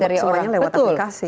dan ini suruhnya lewat aplikasi